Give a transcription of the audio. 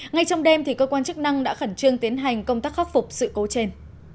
ngay trong đêm cơ quan chức năng đã khẩn trương tiến hành công tác khắc phục sự cố trên